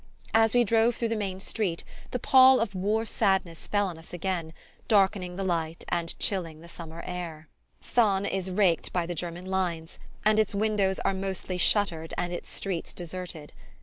As we drove through the main street the pall of war sadness fell on us again, darkening the light and chilling the summer air. Thann is raked by the German lines, and its windows are mostly shuttered and its streets deserted.